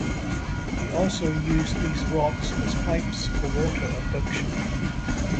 We also use these rods as pipes for water abduction.